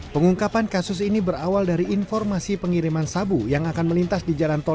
pengungkapan kasus ini berawal dari informasi pengiriman sabu yang akan melintas di jalan tol